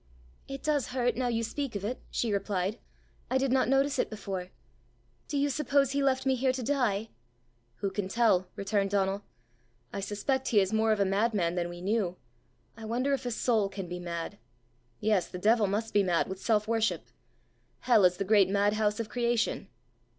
"It does hurt now you speak of it," she replied. "I did not notice it before. Do you suppose he left me here to die?" "Who can tell!" returned Donal. "I suspect he is more of a madman than we knew. I wonder if a soul can be mad. Yes; the devil must be mad with self worship! Hell is the great madhouse of creation!"